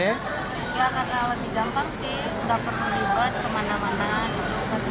ya karena lebih gampang sih nggak perlu dibuat kemana mana gitu ke tempat travel gitu